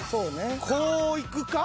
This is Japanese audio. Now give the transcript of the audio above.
こういくか。